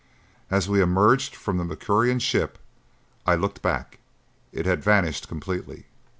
As we emerged from the Mercurian ship I looked back. It had vanished completely.